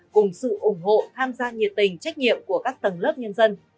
cùng sự ủng hộ tham gia nhiệt tình trách nhiệm của các tầng lớp nhân dân